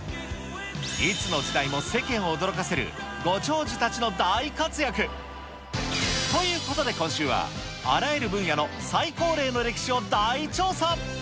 いつの時代も世間を驚かせるご長寿たちの大活躍。ということで今週は、あらゆる分野の最高齢の歴史を大調査。